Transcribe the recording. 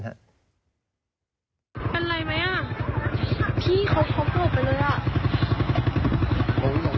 เฮ้ยน้องโถ่น้อง